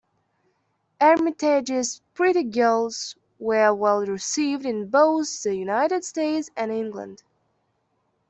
Armitage's pretty girls were well received in both the United States and England.